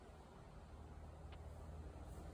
پاچاه